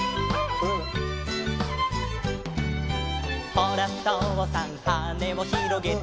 「ほらとうさんはねをひろげて」